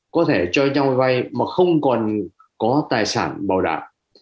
có thể cho nhau vay mà không còn có tài sản bảo đảm